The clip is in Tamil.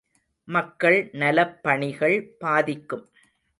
மக்கள் நலப் பணிகள் பாதிக்கும்.